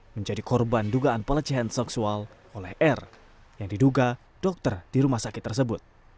menjadi korban dugaan pelecehan seksual oleh r yang diduga dokter di rumah sakit tersebut